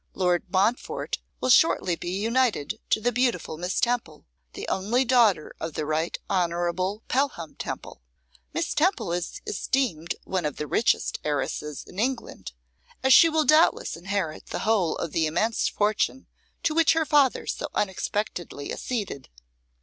Lord Montfort will shortly be united to the beautiful Miss Temple, the only daughter of the Right Honourable Pelham Temple. Miss Temple is esteemed one of the richest heiresses in England, as she will doubtless inherit the whole of the immense fortune to which her father so unexpectedly acceded.